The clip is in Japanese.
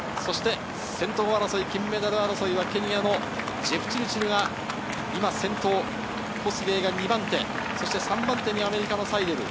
先頭争い、金メダル争いは、ケニアのジェプチルチルが今先頭、コスゲイが２番手、３番手にアメリカのサイデル。